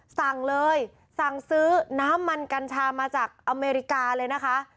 สั่งเลยสั่งซื้อน้ำมันกัญชามาจากอเมริกาเลยนะคะ